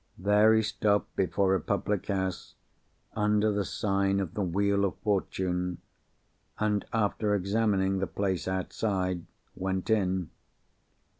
There he stopped before a public house, under the sign of 'The Wheel of Fortune,' and, after examining the place outside, went in.